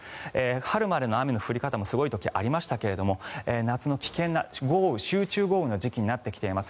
春までの雨の降り方もすごい時ありましたけど夏の危険な豪雨集中豪雨の時期になってきています。